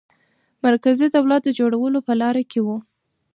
مرکزي دولت د جوړولو په لاره کې وو.